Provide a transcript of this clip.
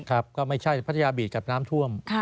ก็ไม่ใช่พัทยาบีทกับน้ำท่วม